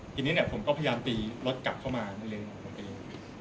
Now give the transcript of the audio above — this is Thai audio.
ทีนี้ผมก็พยายามตีรถกลับเข้ามาในเลนของผมเอง